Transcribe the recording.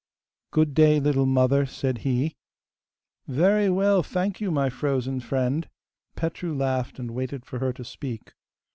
'Good day, little mother!' said he. 'Very well, thank you, my frozen friend!' Petru laughed, and waited for her to speak.